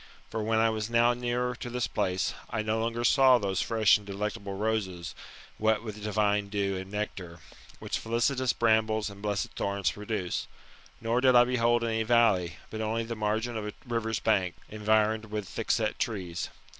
For when I was now near to this place, I no longer saw those fresh and delectable roses, wet with divine dew and nectar, which felicitous brambles and blessed thorns produce ; nor did I behold any valley, but only the margin of a river's bank, environed with thickset trees.